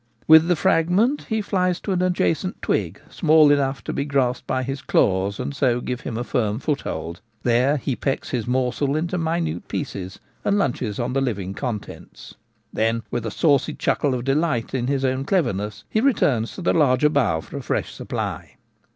With the frag ment he flies tcf an adjacent twig, small enough to be grasped by his claws and so give him a firm foothold. There he pecks his morsel into minute pieces and lunches on the living contents. Then, with a saucy chuckle of delight in his own cleverness, he returns to the larger bough for a fresh supply.